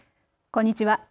こんにちは。